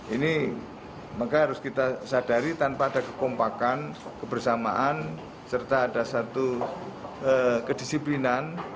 ini maka harus kita sadari tanpa ada kekompakan kebersamaan serta ada satu kedisiplinan